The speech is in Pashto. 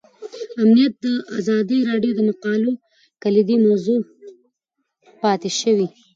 امنیت د ازادي راډیو د مقالو کلیدي موضوع پاتې شوی.